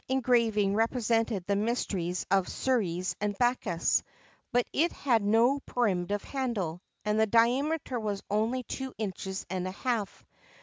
] engraving represented the mysteries of Ceres and Bacchus; but it had no primitive handle, and the diameter was only two inches and a half.